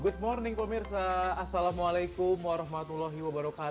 good morning pemirsa assalamualaikum wr wb